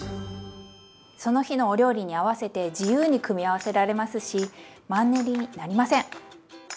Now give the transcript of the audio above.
その日のお料理に合わせて自由に組み合わせられますしマンネリになりません！